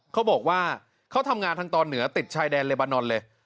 เขาบอกว่าเขาทำงานทางตอนเหนือติดชายแดนเลบานอนเลย